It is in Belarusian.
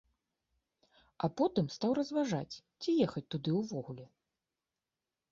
А потым стаў разважаць, ці ехаць туды ўвогуле.